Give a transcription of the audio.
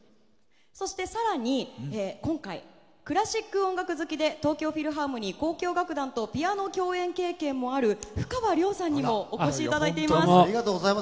そして更に、今回クラシック音楽好きで東京フィルハーモニー交響楽団とピアノ共演もあるふかわりょうさんにもお越しいただいております。